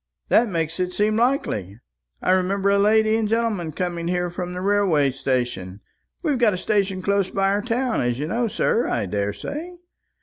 That makes it seem likely. I remember a lady and gentleman coming here from the railway station we've got a station close by our town, as you know, sir, I daresay.